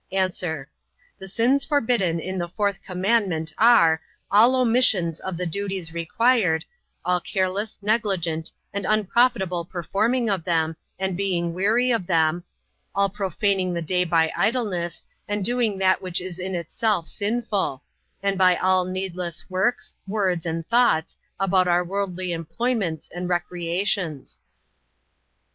A. The sins forbidden in the fourth commandment are, all omissions of the duties required, all careless, negligent, and unprofitable performing of them, and being weary of them; all profaning the day by idleness, and doing that which is in itself sinful; and by all needless works, words, and thoughts, about our worldly employments and recreations.